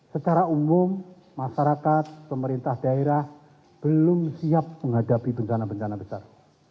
secara umum masyarakat pemerintah daerah belum siap menghadapi bencana bencana besar